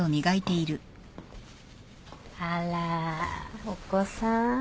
あらお子さん？